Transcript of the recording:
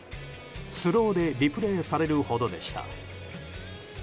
スローでリプレイされるほどでした。